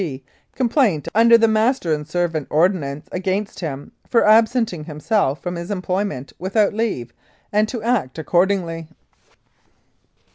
P. complaint under the Master and Servant Ordinance against him for absenting himself from his employment without leave, and to act accordingly.